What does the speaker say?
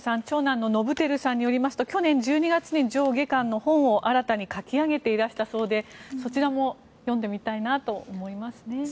長男の伸晃さんによりますと去年１２月に上下巻の本を新たに書き上げていらしたそうでそちらも読んでみたいなと思いますね。